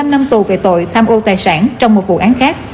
một mươi năm năm tù về tội tham ô tài sản trong một vụ án khác